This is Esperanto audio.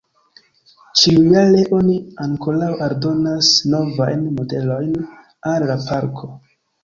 Ĉiujare oni ankoraŭ aldonas novajn modelojn al la parko.